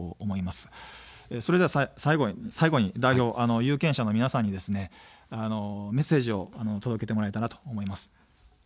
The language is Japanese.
それでは最後に代表、有権者の皆さんにメッセージを届けてもらえたらと思います。